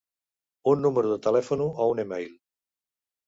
Un número de telèfon o un email.